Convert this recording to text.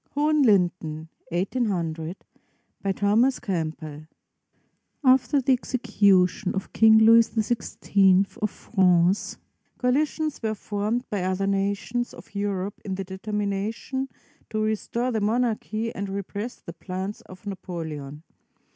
HOHENLINDEN BY THOMAS CAMPBELL [After the execution of King Louis XVI of France, coalitions were formed by other nations of Europe in the determination to restore the monarchy and repress the plans of Napoleon.